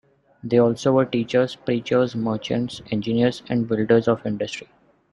They also were teachers, preachers, merchants, engineers, and builders of industry.